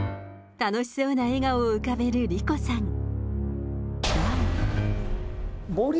楽しそうな笑顔を浮かべる理子さん。